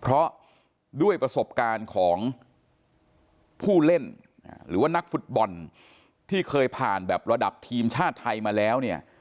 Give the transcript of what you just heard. เพราะด้วยประสบการณ์ของผู้เล่นหรือว่านักฟุตบอลที่เคยผ่านแบบระดับทีมชาติไทยมาแล้วเนี่ย